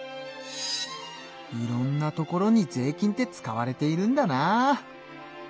いろんなところに税金って使われているんだなあ。